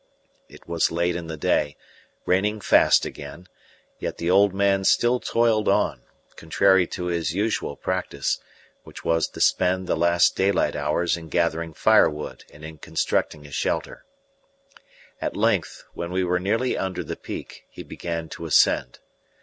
It was late in the day, raining fast again, yet the old man still toiled on, contrary to his usual practice, which was to spend the last daylight hours in gathering firewood and in constructing a shelter. At length, when we were nearly under the peak, he began to ascend.